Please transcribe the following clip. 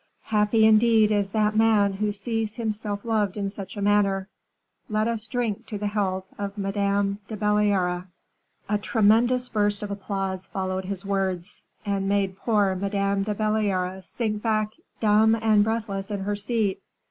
Happy indeed is that man who sees himself loved in such a manner. Let us drink to the health of Madame de Belliere." A tremendous burst of applause followed his words, and made poor Madame de Belliere sink back dumb and breathless in her seat.